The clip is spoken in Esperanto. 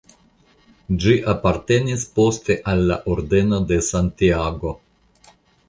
Ĝi apartenis poste al la Ordeno de Santiago.